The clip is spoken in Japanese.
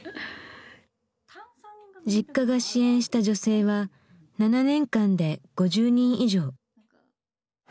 Ｊｉｋｋａが支援した女性は７年間で５０人以上。